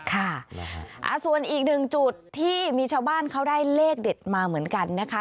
ค่ะส่วนอีกหนึ่งจุดที่มีชาวบ้านเขาได้เลขเด็ดมาเหมือนกันนะคะ